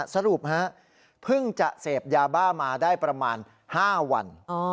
สรุปเพิ่งจะเสพยาบ้ามาได้ประมาณ๕วัน